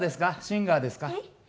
シンガーですか？